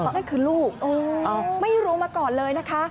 นั่นคือลูกไม่รู้มาก่อนเลยนะคะ